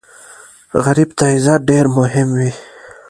غریب ته عزت ډېر مهم وي